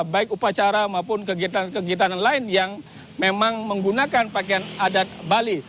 baik upacara maupun kegiatan kegiatan lain yang memang menggunakan pakaian adat bali